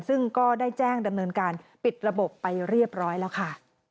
ซึ่งก็ได้แจ้งดำเนินการปิดระบบไปเรียบร้อยแล้วค่ะ